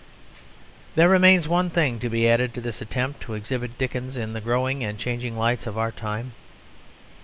There remains one thing to be added to this attempt to exhibit Dickens in the growing and changing lights of our time.